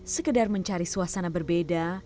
sekedar mencari suasana berbeda